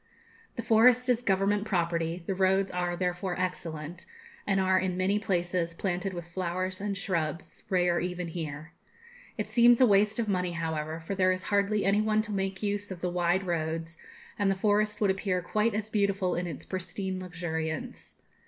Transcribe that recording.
The forest is Government property; the roads are therefore excellent, and are in many places planted with flowers and shrubs, rare even here. It seems a waste of money, however; for there is hardly any one to make use of the wide roads, and the forest would appear quite as beautiful in its pristine luxuriance.